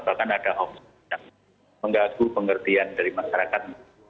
bahkan ada hoax yang menggaguh pengertian dari masyarakat